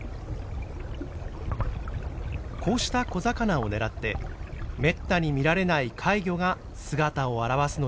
こうした小魚を狙ってめったに見られない怪魚が姿を現すのだそうです。